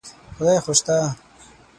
خدای خو شته.